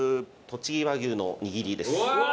とちぎ和牛の握りです。